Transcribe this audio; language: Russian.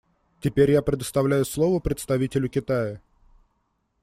Теперь я предоставляю слово представителю Китая.